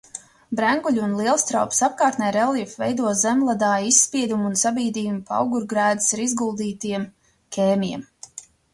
Brenguļu un Lielstraupes apkārtnē reljefu veido zemledāja izspieduma un sabīdījuma paugurgrēdas ar uzguldītiem kēmiem.